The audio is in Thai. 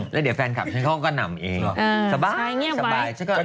แล้วเดี๋ยวแฟนคลับฉันเขาก็นำเองสบายเงียบสบาย